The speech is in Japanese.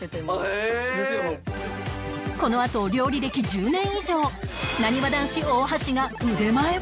このあと料理歴１０年以上なにわ男子大橋が腕前を披露！